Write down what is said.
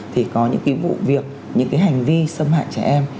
thì có những cái vụ việc những cái hành vi xâm hại trẻ em